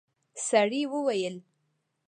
سړي وويل: